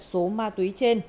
số ma túy trên